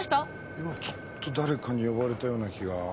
今ちょっと誰かに呼ばれたような気が。